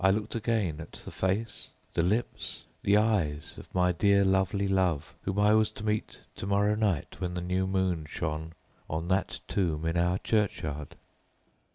"I looked again at the face, the lips, the eyes of my dear and lovely love, whom I was to meet to morrow night when the new moon shone on that tomb in our churchyard.